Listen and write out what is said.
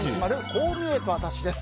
こう見えてワタシです。